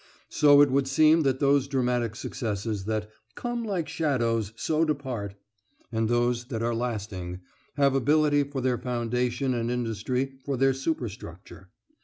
So it would seem that those dramatic successes that "come like shadows, so depart," and those that are lasting, have ability for their foundation and industry for their superstructure.